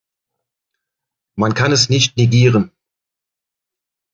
Man kann es nicht negieren!